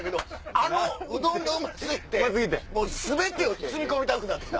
あのうどんがうま過ぎて全てを包み込みたくなって来た。